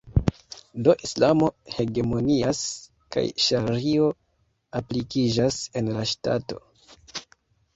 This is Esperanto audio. Do, Islamo hegemonias kaj Ŝario aplikiĝas en la ŝtato.